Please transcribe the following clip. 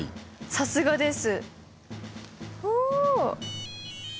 さすがです。